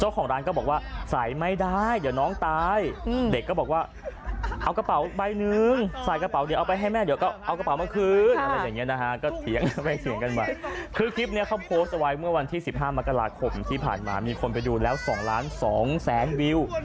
เอดันขอบคุณว่านี่ไม่ได้บอกแล้วเพราะไม่ได้กลับตัวอีกแล้วก็เป็นคลิปนี้ให้โพสต์ไว้เมื่อวันที่๑๕มกราคมที่ผ่านมามีคนไปดูแล้ว๒๒๐๐๐๐๐วิว